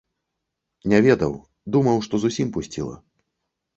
Не ведаў, думаў, што зусім пусціла.